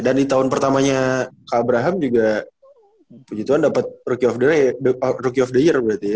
dan di tahun pertamanya kak abraham juga puji tuhan dapet rookie of the year berarti ya